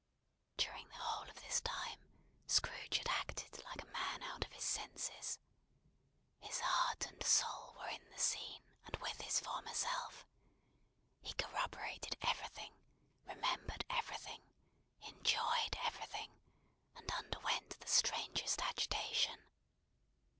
During the whole of this time, Scrooge had acted like a man out of his wits. His heart and soul were in the scene, and with his former self. He corroborated everything, remembered everything, enjoyed everything, and underwent the strangest agitation.